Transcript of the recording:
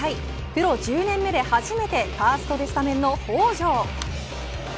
プロ１０年目で初めてファーストでスタメンの北條。